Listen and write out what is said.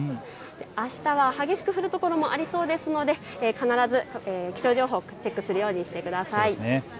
あしたは激しく降る所もありそうなので必ず気象情報をチェックするようにしてください。